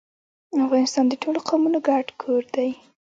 افغانستان د ټولو قومونو ګډ کور دی.